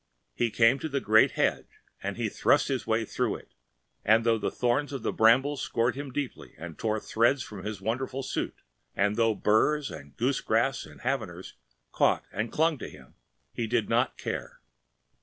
He came to the great hedge and he thrust his way through it, and though the thorns of the brambles scored him deeply and tore threads from his wonderful suit, and though burs and goosegrass and havers caught and clung to him, he did not care.